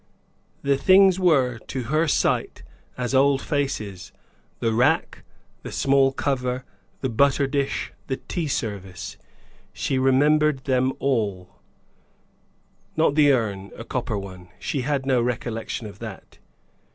The things were to her sight as old faces the rack, the small cover, the butter dish, the tea service she remembered them all; not the urn a copper one she had no recollection of that.